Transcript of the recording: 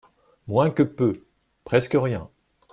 Moins que peu, presque rien.